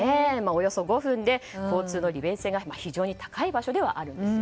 およそ５分で交通の利便性が非常に高い場所なんです。